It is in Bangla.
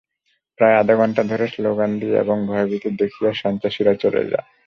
প্রায় আধা ঘণ্টা ধরে স্লোগান দিয়ে এবং ভয়ভীতি দেখিয়ে সন্ত্রাসীরা চলে যায়।